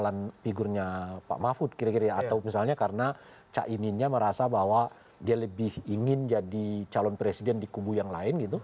apakah ini menjadi konsideran